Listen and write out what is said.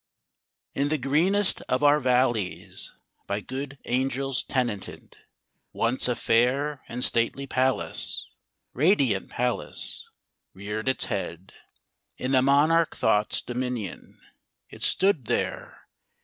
In the greenest of our valleys By good angels tenanted, Once a fair and stately palace Radiant palace reared its head. In the monarch Thought's dominion It stood there!